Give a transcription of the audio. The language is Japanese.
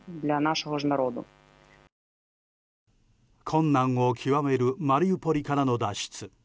困難を極めるマリウポリからの脱出。